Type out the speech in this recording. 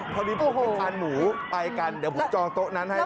พอดีผมไปทานหมูไปกันเดี๋ยวผมจองโต๊ะนั้นให้